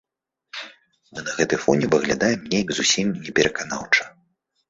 Мы на гэты фоне выглядаем неяк зусім непераканаўча.